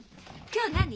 今日何？